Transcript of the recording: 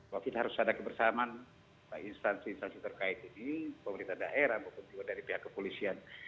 bahwa kita harus ada kebersamaan instansi instansi terkait ini pemerintah daerah maupun juga dari pihak kepolisian